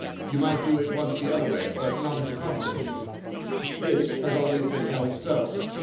You might do it once the other way, but not as a constancy. This has always been held so.